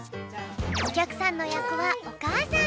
おきゃくさんのやくはおかあさん。